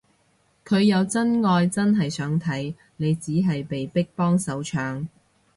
佢有真愛真係想睇，你只係被逼幫手搶